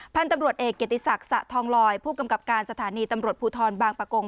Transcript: พันธุ์ตำรวจเอกเกติศักดิ์สะทองลอยผู้กำกับการสถานีตำรวจภูทรบางประกง